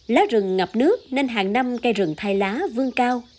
lá rừng ngập nước nên hàng năm cây rừng thai lá vương cao